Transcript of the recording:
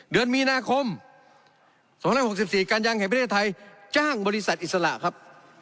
เดือนมีนาคม๒๐๖๔กยธจ้างบริษัทอิสระครับ